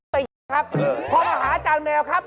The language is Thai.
พอมาหาอาจารย์แมวครับ